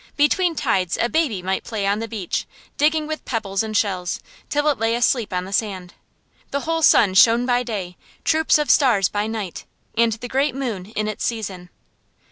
Between tides a baby might play on the beach, digging with pebbles and shells, till it lay asleep on the sand. The whole sun shone by day, troops of stars by night, and the great moon in its season.